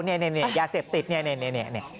เนี่ยอย่าเสพติดเนี่ย